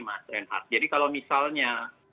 mas reinhard jadi kalau misalnya